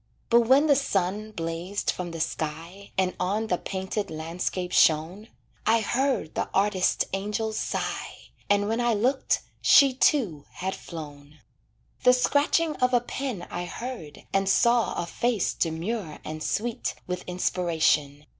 But when the sun blazed from the sky, And on the painted landscape shone, I heard the artist angel sigh, And when I looked she, too, had flown. The scratching of a pen I heard And saw a face demure and sweet With inspiration.